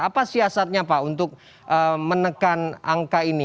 apa siasatnya pak untuk menekan angka ini